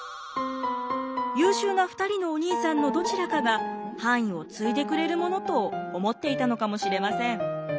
優秀な２人のお兄さんのどちらかが藩医を継いでくれるものと思っていたのかもしれません。